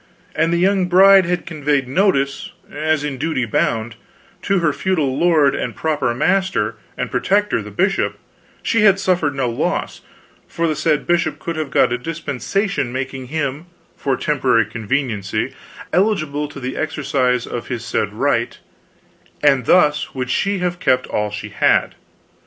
An the young bride had conveyed notice, as in duty bound, to her feudal lord and proper master and protector the bishop, she had suffered no loss, for the said bishop could have got a dispensation making him, for temporary conveniency, eligible to the exercise of his said right, and thus would she have kept all she had.